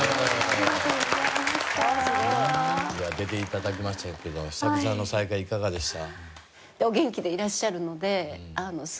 出て頂きましたけど久々の再会いかがでした？